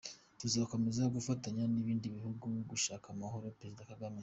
Tuzakomeza gufatanya n’ibindi bihugu gushaka amahoro-Perezida Kagame